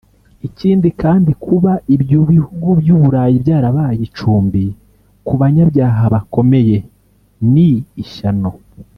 Ikindi kandi kuba ibyo bihugu by’u Burayi byarabaye icumbi ku banyabyaha bakomeye ni ishyano